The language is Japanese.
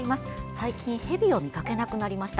最近、ヘビを見かけなくなりました。